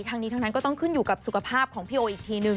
ทั้งนี้ทั้งนั้นก็ต้องขึ้นอยู่กับสุขภาพของพี่โออีกทีนึง